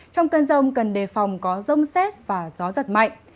trong cơn rông cần đề phòng có rông xét và gió giật mạnh